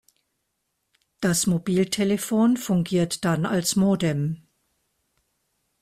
Das Mobiltelefon fungiert dann als Modem.